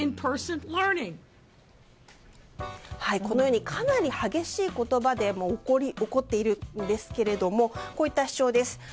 このようにかなり激しい言葉で怒っているんですけれどもこういった主張です。